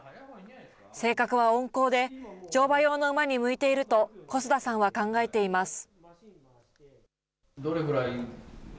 性格は温厚で、乗馬用の馬に向いていると小須田さんは考えています。